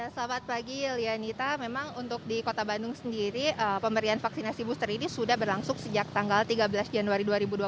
selamat pagi lianita memang untuk di kota bandung sendiri pemberian vaksinasi booster ini sudah berlangsung sejak tanggal tiga belas januari dua ribu dua puluh